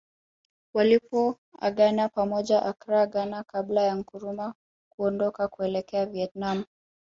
Walipoagana pamoja Accra Ghana kabla ya Nkrumah kuondoka kuelekea Vietnam